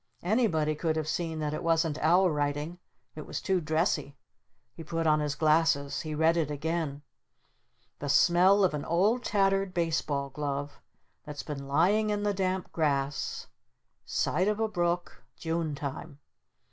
Anybody could have seen that it wasn't our writing. It was too dressy. He put on his glasses. He read it again. the smell of an old tattered baseball glove that's been lying in the damp grass side of a brook June Time.